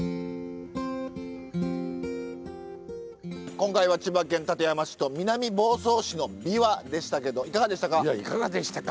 今回は千葉県館山市と南房総市のびわでしたけどいかがでしたか？